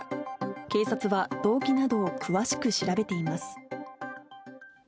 警察は動機などを詳しく調べています。